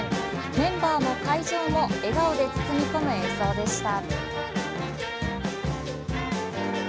メンバーも会場も笑顔で包み込む演奏でした。